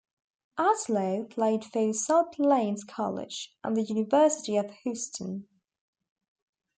Outlaw played for South Plains College and the University of Houston.